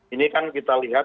ini kan kita lihat